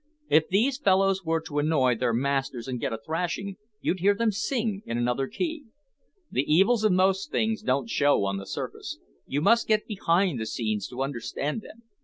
If these fellows were to annoy their masters and get a thrashing, you'd hear them sing in another key. The evils of most things don't show on the surface. You must get behind the scenes to understand them.